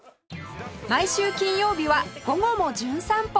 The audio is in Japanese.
毎週金曜日は『午後もじゅん散歩』